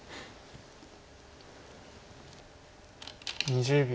２０秒。